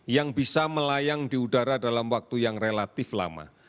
yang bisa melayang di udara dalam waktu yang relatif lama